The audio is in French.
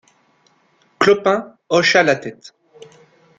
Clopin hocha la tête.